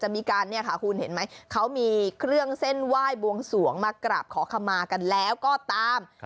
มีการเนี่ยค่ะคุณเห็นไหมเขามีเครื่องเส้นไหว้บวงสวงมากราบขอขมากันแล้วก็ตาม